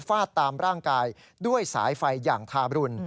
ฟาดตามร่างกายด้วยสายไฟอย่างทาบรุน